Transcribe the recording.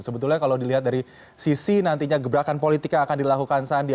sebetulnya kalau dilihat dari sisi nantinya gebrakan politik yang akan dilakukan sandi